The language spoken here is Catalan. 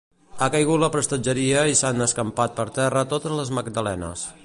Ha caigut la prestatgeria i s'han escampat per terra totes les magdalenes